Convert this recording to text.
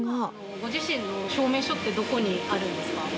ご自身の証明書ってどこにあるんですか？